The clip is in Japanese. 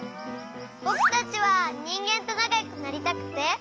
ぼくたちはにんげんとなかよくなりたくて。